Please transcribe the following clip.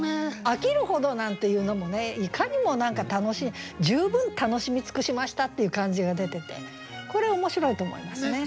「飽きるほど」なんていうのもいかにも楽しい十分楽しみ尽くしましたっていう感じが出ててこれ面白いと思いますね。